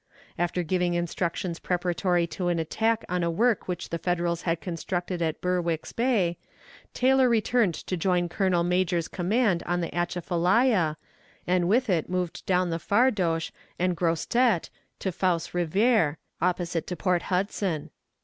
After giving instructions preparatory to an attack on a work which the Federals had constructed at Berwick's Bay, Taylor returned to join Colonel Major's command on the Atchafalaya, and with it moved down the Fardoche and Grossetete to Fausse Rivière, opposite to Port Hudson.